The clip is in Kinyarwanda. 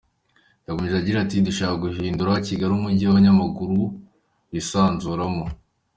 Yakomeje agira ati “Dushaka guhindura Kigali umujyi abanyamaguru bisanzuramo.